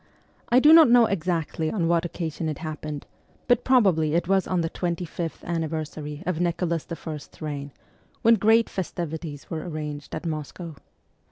I do not know exactly on what occasion it happened, but probably it was on the twenty fifth anniversary of Nicholas I.'s reign, when great festivities were arranged at Moscow.